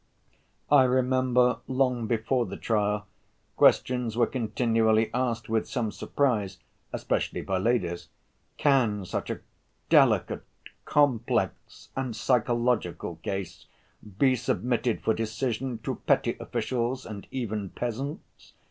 I remember, long before the trial, questions were continually asked with some surprise, especially by ladies: "Can such a delicate, complex and psychological case be submitted for decision to petty officials and even peasants?"